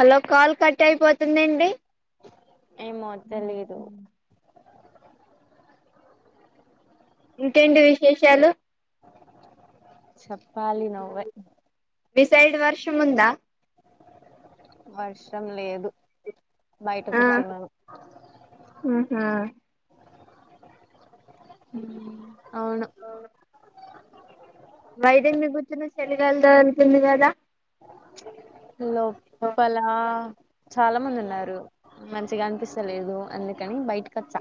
Hello call cut అయిపోతుందండి. ఏమో తెలీదు ఇంకేంటి విశేషాలు చెప్ ప్పాలి నువ్వే. మీ సైడ్ వర్షం ఉందా? వర్షం లేదు బయట ఆ కూర్చున్నాను ఊ హ్మ్ హ్మ్ అవును బయటెందుకు కూచ్చున్నావ్? చల్లగాలి తోల్తుంది కదా లో ప్పలా చాలా మంది ఉన్నారు. మంచిగా అనిపిస్తలేదు అందుకని బయ్ టకచ్చ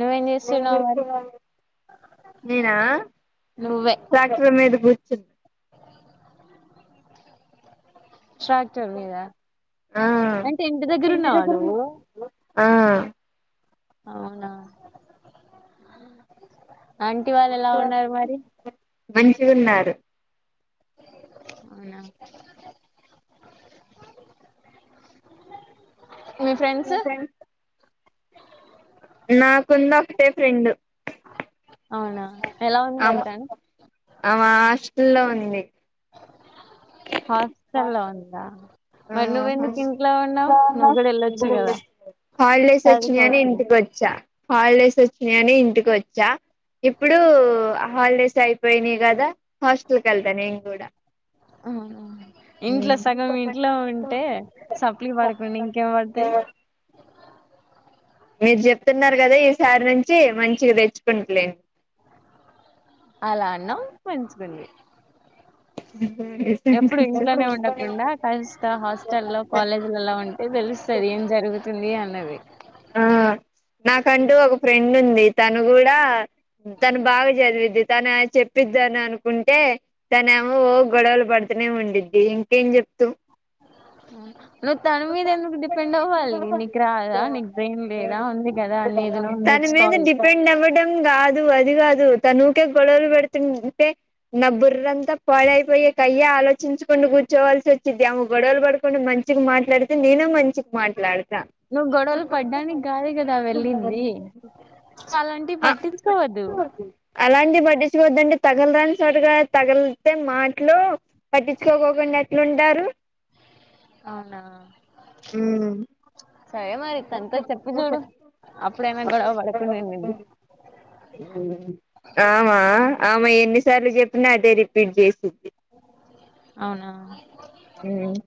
నువ్వేం చేస్తున్నావు మరి నేనా నువ్వే ట్రాక్టర్ మీద కూ ర్చున్న ట్రాక్టర్ మీద ఆ అంటే ఇంటి ఇంటిదగ్గరున్నావ దగ్గర నువ్వు? ఉన్నావా ఆ అవునా ఆంటీ వాళ్ళు ఎలా ఉన్నారు మరి? మంచిగున్నారు. అవునా మీ ఫ్రెండ్స్ నాకుంది ఒకటే ఫ్రెండు. అవునా ఎలా ఉంది ఆమ్ మరి తను ఆమ హాస్టల్లో ఉం ది హాస్టలో ఉందా? మరి ఆహ నువ్వెందుకు ఇంట్లో ఉన్నావు నువ్వు కూడా వెళ్ళొచ్చు కదా హాలిడేస్ వచ్చినయని చదువుకోవచ్చుగా ఇంటికొచ్చా. హాలిడేస్ వచ్చినాయని ఇంటికొచ్చా. ఇప్పుడు హాలిడేస్ అయిపోయినాయి కదా హాస్టల్ కెళ్తా నేను గూడా ఇంట్లో సగం ఇంట్లో ఉంటే సప్లీ పడకుండ ఇంకేం పడతాయ్ మీరు చెప్తున్నారు కదా ఈసారి నుంచి మంచిగా తెచ్చుకుంటలే. అలా అన్నావ్ మంచిగుంది. అ ఎప్పుడు ఇంట్లోనే ఉండకుండా కాస్త హాస్టల్ల్లో కాలేజీలలా ఉంటే తెలుస్తది ఏం జరుగుతుంది అన్నది. ఆ నాకంటూ ఒక ఫ్రెండ్ ఉంది. తను కూడా తను బాగా చదివిద్ది తను చెప్పిద్ద అని అనుకుంటే తనే ఏమో ఓ గొడవలు పడుతూనే ఉండిద్ది. ఇంకేం చెప్తూ నువ్వు తన మీద ఎందుకు డిపెండ్ అవ్వాలే నీకు రాద నే ఎం లేదా ఉంది కదా నీదిను నేర్చుకోవాలి. డం కాదు అది కాదు తనుకే గొడవలు వేడుతుంటే నా బుర్రంతా పాడైపోయే కయ్య ఆలోచించుకుని కూర్చోవల్సి వచ్చిది. ఆమ గొడవలు పడకుండా మంచికి మాట్లాడితే నేను మంచికి మాట్లాడ నువ్ గొ గొడవలు పడ్డానికి కాదు కదా వెళ్ళింది అలాంటివి ఆ పట్టించుకోవద్దు. చ్చకొద్దంటే తగలరాని చోటుగా తగిలితే మాట్లు పట్టించుకోకుండా ఎట్లుంటారు. అవునా సరె మరి తంతో చెప్పి చూడు అప్పుడేమె గొడవ పడకుంని ఉండిది. ఆమా ఆమె ఎన్ని సార్లు చెప్పినా అదే రిపీట్ చేసి అవునా ఊమ్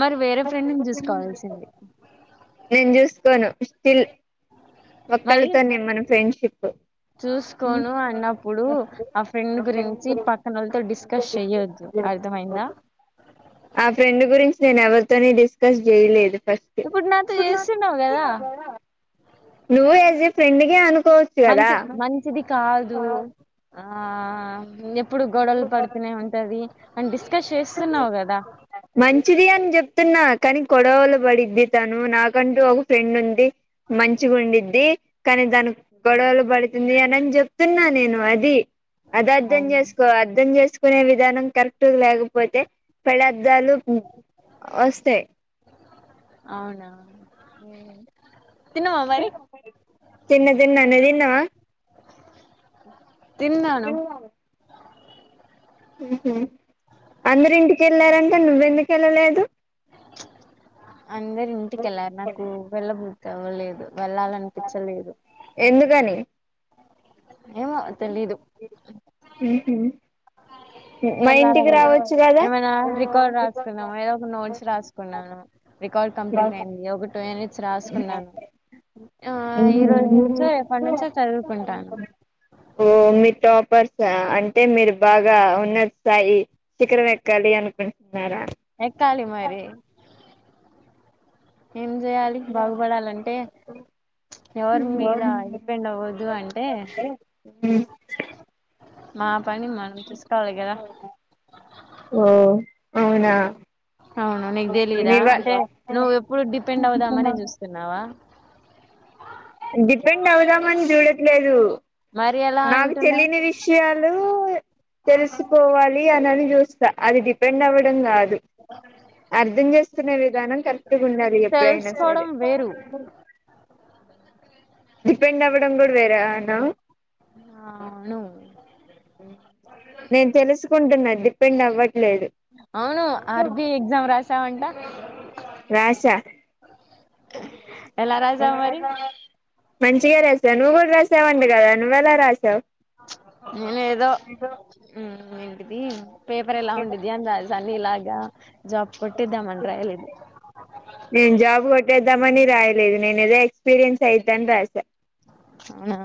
మరి వేరే ఫ్రెండ్ని చూసుకోవాల్సింది నేను చూసుకోను స్టిల్ మరి ఒక్కళ్ళతోనే మనం సె ఫ్రెండ్షిప్ చూసుకోను అన్నప్పుడు ఆ ఫ్రెండ్ గురించి పక్కనోలతో డిస్కస్ చెయ్యొద్దు అర్థమైందా. ఆ ఫ్రెండ్ గురించి నేను ఎవరితోని డిస్కస్ చేయలేదు. ఫస్ట్ ఇప్పుడు నాతో చేస్తున్నావు కదా? ఓ ఏ జె ఫ్రెండ్ గే అను కోచ్ గదా మంచి మంచిది కాదు ఆ ఇందెం ఇప్పుడు గొడల్ పడుతూనే ఉంటది. అనిబిస్త్ చేస్తున్నావు కదా ప్తున్నా కానీ గొడవలు పడిద్ది తను నాకంటూ ఒక ఫ్రెండ్ ఉంది మంచిగా ఉండిద్ది. కానీ దానికి గొడవలు పడుతుంది అని అని చెప్తున్నా నేను అది అద అద్దం అవును చేసుకో అద్దం చేస్ కునే విధానం కరెక్ట్గా లేగ్ పోతె పేడర్ధలు బు ఒస్తయ్. అవునా. తిన్నావా మరి తిన్న తిన్న నువ్ తిన్. తిన్నావా. తిన్నాను. అందరి ఇంటికి ఎళ్లారంట నువ్వెందుకు ఎళ్ళలేదు. అందరు ఇంటికెళ్లారు నాకు వెళ్ళబు. తవ్వలేదు. వెళ్ళాలనిపించలేదు. ఎందుకని ఏమో తెలిదు. మా ఇంటికి వెళ్లాలని లేదు, రావచ్చు కదా ఏమైనా రికార్డ్ రాసుకున్నాము ఏదో ఒక నోట్స్ రాసుకున్నాను, రికార్డ్ కంప్లీట్ అయింది, ఒక టే. రాసుకున్నాను, ఆ ఈ రోజు నుంచో రేపటి నుంచో చరువుకుంటాను. ఓ మీ టాపర్స్ అంటే మీరు బాగా ఉన్నస్థాయి చిఖరం ఎక్కాలి అనుకు. ఎక్కాలి మరి. ఏం చేయాలి బాగుపడాలంటే, ఎవరి మీద డిపెండ్ అవ్వద్దు అంటే. మా పని మనం తీసుకోవాలి గదా. ఓ అవునా. అవును నీకు తెలీదా మీవా అంటే, నువ్వు ఎప్పుడు డిపెండ్ అవుదామనే చూస్తున్నావా. డిపెండ్ అవుదామని చూడట్లేదు. మరి ఎలా నాకు అంటున్నావు తెలియని విషయాలు, తెలుసుకోవాలి అని అని చూస్తా అది. బెండవడం కాదు. అర్థం చేస్తున్న విధానం కరెక్ట్గా ఉండాలే ఎప్పుడైనా సరే. తెలుసుకోవడం వేరు డిపెండ్ అవడం కూడా వరే ఆన. అవును నేను తెలుసుకుంటున్న డి. డిపెన్ డవట్. అవును అర్బీ ఎగ్జామ్ రాసావంట. రాసా ఎలా రాసావ్ మరి. మంచిగా రాసా నువ్వు కూడా రాసావంట గదా నువ్వెలా రాసావు. నేను ఏదో ఉమ్. ఏంటిది. పేపర్ ఎలా ఉంటుంద్ది అని రాసాను నీల జాబ్ జాబ్ కొట్టద్దమని రాలేదు. ద్దామని రాయలేదు నేను ఏదో ఎక్స్పీరియన్స్ అయత అని రాసా అవునా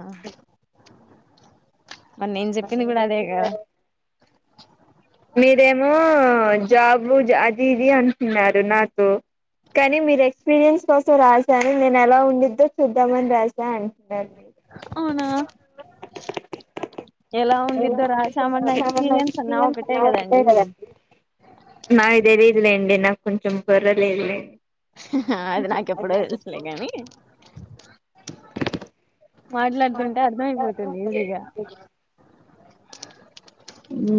మరి నేను చెప్పింది కూడా అదే కదా మీరేమో జాబు అది ఇది అంటున్నారు నాతో కానీ మీరు ఎక్స్పీరియన్స్ కోసం రాశాను నేను ఎలా ఉండిద్దో చూద్దామని రాసాను అవునా ఎలా ఉండిద్దో రాసామన్న ఎక్స్పీరియన్స్ అన్నా ఒకటే కదండి నాకు తెలీదు లేండి నాకు కొంచెం బుర్ర లేదులేండి అది నాకెప్పుడో తెలుసులే కానీ మాట్లాడతుంటే అర్థం అయిపోతుంది ఈజీ గా ఊ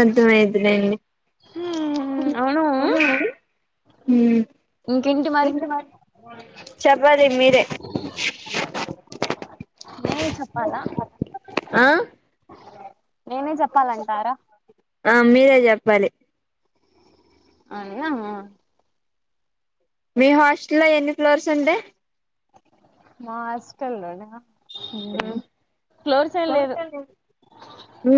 అర్థం అయ్యిదిలెండి మ్మ్ అవును అవున అండి ఊ ఇంకేంటి మరి చెప్పాలి మీరే నేనే చెప్పాలా ఆ నేనే చెప్పాలంటారా పాలీ అవునా మీ హాస్టల్ లో ఎన్ని ఫ్లోర్స్ ఉండే మా హాస్టల్లోన ఉ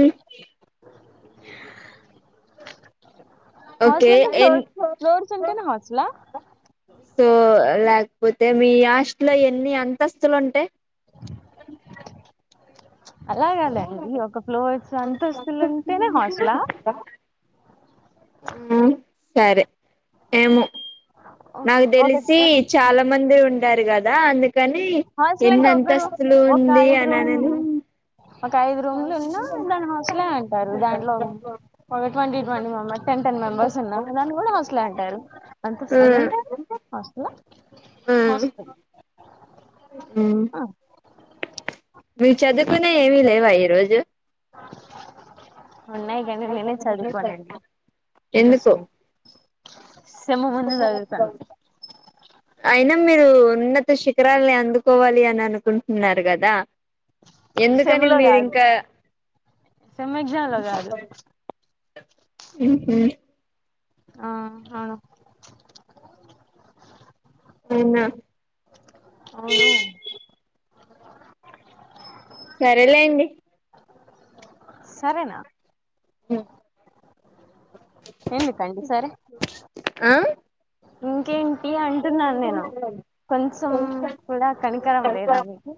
ఓకే హాస్టల్ అంటే ఫ్లో ఎన్ ఫ్లోర్స్ ఉంటేనే హాస్టల పోతే మీ హాస్ట్లో ఎన్ని అంతస్తులు ఉంటాయి అలాగా కాదండి ఒక ప్లోర్స్ అంతస్తులు ఉంటేనే హాస్టల్ ఆ సరే ఏమో నాకు ఒక తెలిసి చాలా మంది ఉంటారు కదా అందుకు కానీ హాస్టల్ ఎన్ని అంటే ఒకరు అంతస్తులు ఒక ఉంది ఐదు అని రూమ్ అనను ఒక ఐదు రూమ్లు ఉన్నా దాని హాస్టలే అంటారు దాంట్లో ఒక twenty twenty member ten ten members ఉన్నా దాని కూడా హాస్టలే అంటారు ఆ అంతస్తులుంటే హాస్టల హాస్టల్ ఊ మీ చదువుకునేవి ఏమి లేవా ఈ రోజు ఉన్నాయి కానీ నేనే చదువుకోనండి ఇంట్రెస్ట్ ఎందుకు లే అయినా మీరు ఉన్నత శిఖరాల్ని అందుకోవాలి అని అనుకుంటున్నారు కదా సెమ్ ఎందుకని లో మీరు కాదు ఇంకా సెమ్ ఎగ్జామ్ లో కాదు మ్మ్ హ్మ్ ఆ అవును అవునా అవును సరేలేండి సరేనా హ్మ్ ఎందుకండి సరే ఆ ఇంకేంటి అంటున్నాను నేను కొంచెం కూడా కనికరం లేదా మీకు